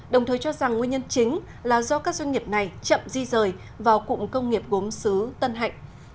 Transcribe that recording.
đồng thời cho rằng nguyên nhân chính là do các doanh nghiệp này chậm di rời vào cụm công nghiệp gốm xứ tân hạnh